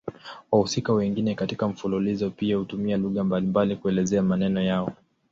Wahusika wengine katika mfululizo pia hutumia lugha mbalimbali kuelezea maneno yao.